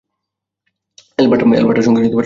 এলবার্টার সঙ্গে সেদিন দেখা হল।